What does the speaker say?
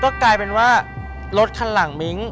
ก็กลายเป็นว่ารถคันหลังมิ้ง